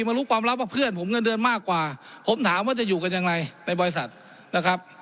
มารู้ความลับว่าเพื่อนผมเงินเดือนมากกว่าผมถามว่าจะอยู่กันยังไงในบริษัทนะครับ